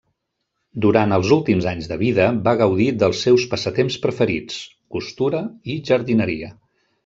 Durant els últims anys de vida, va gaudir dels seus passatemps preferits: costura i jardineria.